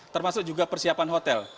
termasuk juga persiapan hotel